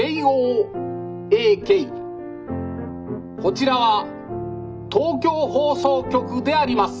こちらは東京放送局であります。